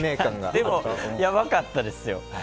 でもやばかったですよ。